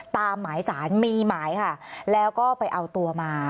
ตามหมายสารมีหมายค่ะแล้วก็ไปเอาตัวมา